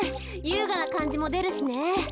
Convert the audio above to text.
ゆうがなかんじもでるしね。